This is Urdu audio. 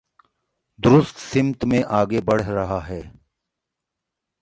درست سمت میں آگے بڑھ رہا ہے۔